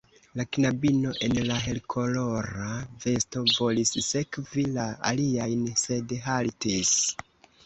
La knabino en la helkolora vesto volis sekvi la aliajn, sed haltis.